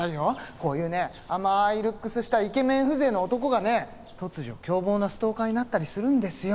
こういうね甘いルックスしたイケメン風情の男がね突如凶暴なストーカーになったりするんですよ。